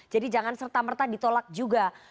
jadi jangan serta merta ditolak juga